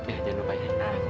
aku masuk dulu ya ya sayang